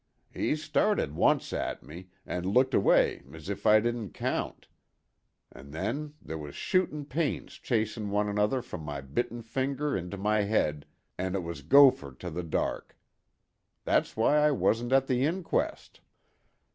'E stared once at me, and looked away as if I didn't count; an' then there were shootin' pains chasin' one another from my bitten finger into my head, and it was Gopher to the dark. That's why I wasn't at the inquest."